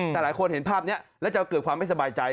แต่หลายคนเห็นภาพนี้แล้วจะเกิดความไม่สบายใจ